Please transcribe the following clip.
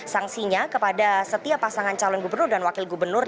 sanksinya kepada setiap pasangan calon ketiga pasangan calon dan wakil gubernur